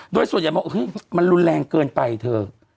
โดยส่วนใหญ่บอกมันรุนแรงเกินไปเธอ